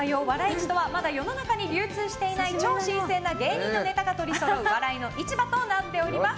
市とはまだ世の中に流通していない超新鮮な芸人のネタが取りそろう笑いの市場となっております。